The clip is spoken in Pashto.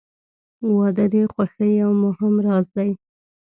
• واده د خوښۍ یو مهم راز دی.